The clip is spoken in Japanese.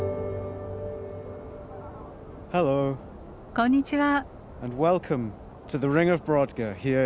こんにちは。